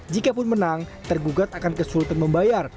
jikapun menang tergugat akan kesulitan membayar